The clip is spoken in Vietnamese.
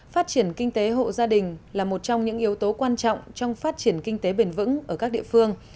phát triển kinh tế hộ gia đình là một trong những yếu tố quan trọng trong phát triển kinh tế bền vững ở các địa phương